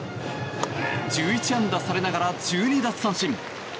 １１安打されながら１２奪三振。